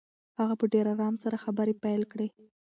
هغه په ډېر آرام سره خبرې پیل کړې.